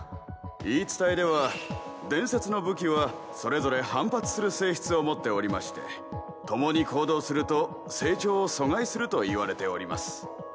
言い伝えでは伝説の武器はそれぞれ反発する性質を持っておりまして共に行動すると成長を阻害するといわれております。